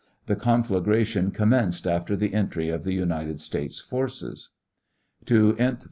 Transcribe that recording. The conflagration commenced after the entry of the United States forces. To int.